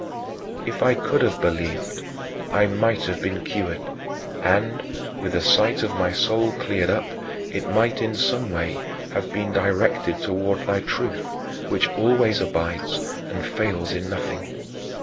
If I could have believed, I might have been cured, and, with the sight of my soul cleared up, it might in some way have been directed toward thy truth, which always abides and fails in nothing.